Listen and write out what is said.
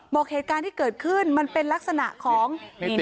บอกเหตุการณ์ที่เกิดขึ้นมันเป็นลักษณะของ